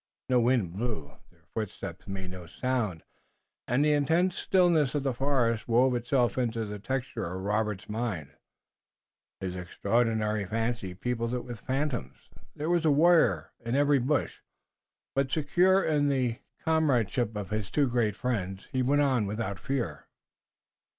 No wind blew, their footsteps made no sound and the intense stillness of the forest wove itself into the texture of Robert's mind. His extraordinary fancy peopled it with phantoms. There was a warrior in every bush, but, secure in the comradeship of his two great friends, he went on without fear.